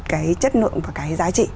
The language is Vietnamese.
cái chất lượng và cái giá trị